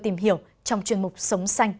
tìm hiểu trong chuyên mục sống xanh